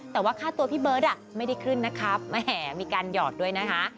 แต่ว่าค่าตัวพี่เบิร์ตไม่ได้ขึ้นนะครับมีการหยอดด้วยนะคะ